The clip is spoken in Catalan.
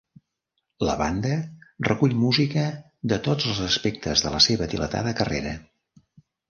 La banda recull música de tots els aspectes de la seva dilatada carrera.